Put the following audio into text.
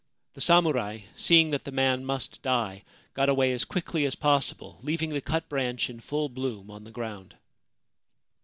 The samurai, seeing that the man must die, got away as quickly as possible, leaving the cut branch in full bloom on the ground.